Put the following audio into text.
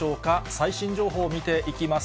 最新情報を見ていきます。